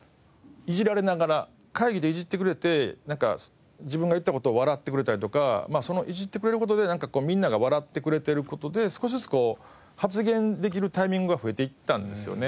会議でいじってくれて自分が言った事を笑ってくれたりとかいじってくれる事でみんなが笑ってくれてる事で少しずつこう発言できるタイミングが増えていったんですよね。